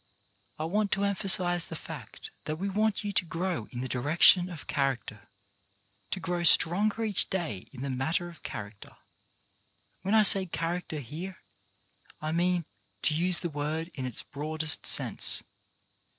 I want to emphasize the fact that we want you to grow in the direction of character — to grow stronger each day in the matter of character. When I say character, here, I mean to use the word in its broadest sense.